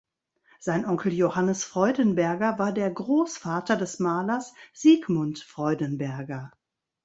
Sein Onkel Johannes Freudenberger war der Grossvater des Malers Sigmund Freudenberger.